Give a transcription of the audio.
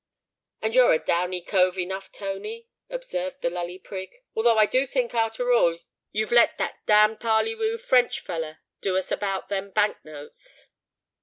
"And you're a downy cove enough, Tony," observed the Lully Prig; "although I do think arter all you've let that damned parley woo French feller do us about them Bank notes."